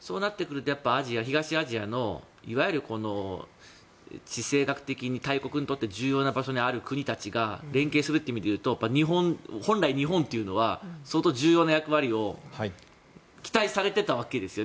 そうなってくると東アジアのいわゆる地政学的に大国にとって重要な場所にある国たちが連携する意味でいうと本来、日本というのは相当重要な役割を期待されていたわけですよね。